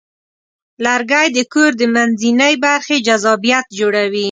لرګی د کور د منځنۍ برخې جذابیت جوړوي.